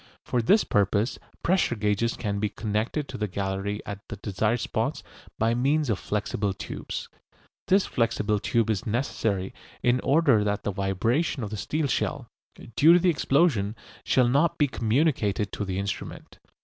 For this purpose pressure gauges can be connected to the gallery at the desired spots by means of flexible tubes. This flexible tube is necessary in order that the vibration of the steel shell, due to the explosion, shall not be communicated to the instrument.